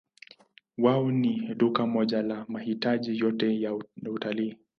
Wao ni duka moja la mahitaji yote ya utalii.